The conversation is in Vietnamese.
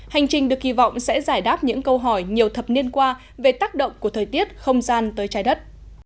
hành trình được kỳ vọng sẽ giải đáp những câu hỏi nhiều thập niên qua về tác động của thời tiết không gian tới trái đất